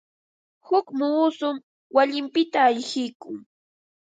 Huk muusum wayinpita ayqikun.